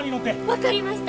分かりました！